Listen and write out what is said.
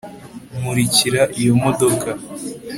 nkurikira iyo modoka